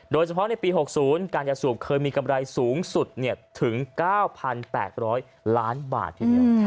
โดยเฉพาะในปี๖๐การยาสูบเคยมีกำไรสูงสุดถึง๙๘๐๐ล้านบาททีเดียว